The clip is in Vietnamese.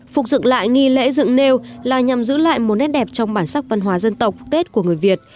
phục dựng lại nghi lễ dựng nêu là nhằm giữ lại một nét đẹp trong bản sắc văn hóa dân tộc tết của người việt